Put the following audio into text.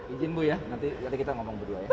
izin bu ya nanti kita ngomong berdua ya